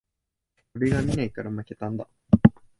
俺が見ないから負けたんだ